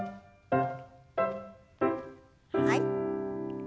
はい。